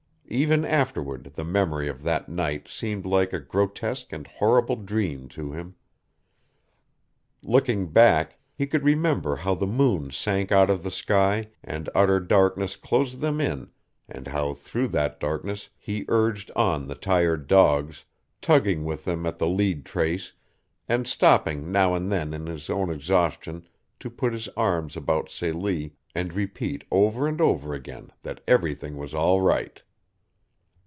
Ever afterward the memory of that night seemed like a grotesque and horrible dream to him. Looking back, he could remember how the moon sank out of the sky and utter darkness closed them in and how through that darkness he urged on the tired dogs, tugging with them at the lead trace, and stopping now and then in his own exhaustion to put his arms about Celie and repeat over and over again that everything was all right.